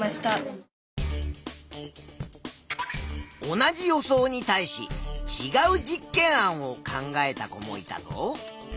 同じ予想に対しちがう実験案を考えた子もいたぞ。